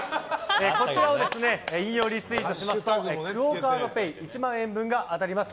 こちらを引用リツイートしますとＱＵＯカードＰａｙ１万円分が当たります。